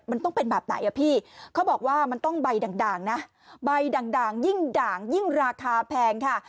มันต้องเป็นแบบไหนอ่ะพี่เขาบอกว่ามันต้องใบด่างนะใบด่างยิ่งด่างยิ่งราคาแพงค่ะ